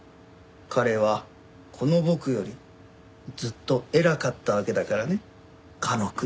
彼はこの僕よりずっと偉かったわけだからねかの国では。